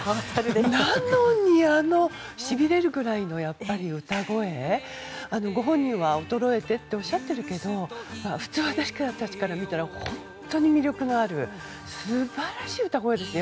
なのにしびれるくらいの歌声ご本人は、衰えてっておっしゃってるけど私から見たら本当に魅力のある素晴らしい歌声ですね。